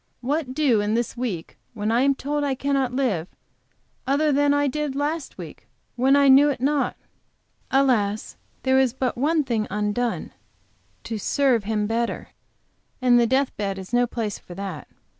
What, do in this week, when I am told I cannot live, other than I did last week, when knew it not? Alas, there is but one thing undone, to serve Him better; and the death bed is no place for that.